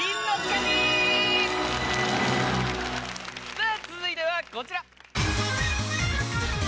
さぁ続いてはこちら。